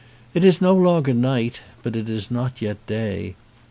It is no longer night, but it is not yet day.